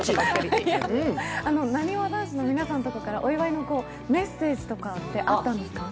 なにわ男子の皆さんからお祝いのメッセージとかってあったんですか？